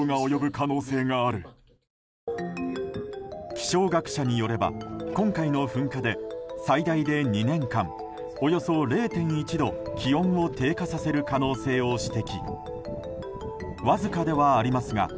気象学者によれば今回の噴火で最大で２年間およそ０．１度気温を低下させる可能性を指摘。